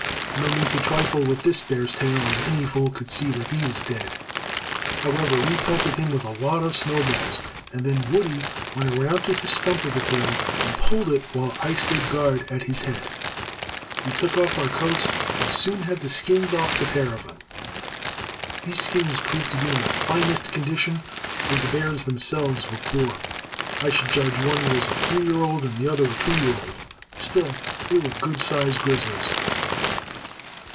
No need to trifle with this bear's tail, as any fool could see that he was dead. However, we pelted him with a lot of snowballs, and then Woody went around to his stump of a tail and pulled it while I stood guard at his head. We took off our coats, and soon had the skins off the pair of them. These skins proved to be in the finest condition, though the bears themselves were poor. I should judge one was a three year old and the other a two year old. Still they were good sized grizzlies.